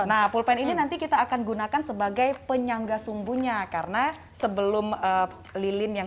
nah pulpen ini nanti kita akan gunakan sebagai penyangga sumbunya karena sebelum lilin yang